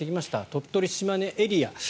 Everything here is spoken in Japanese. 鳥取・島根エリア